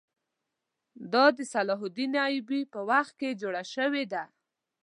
دا د صلاح الدین ایوبي په وخت کې جوړه شوې ده.